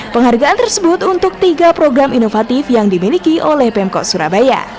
penghargaan tersebut untuk tiga program inovatif yang dimiliki oleh pemkot surabaya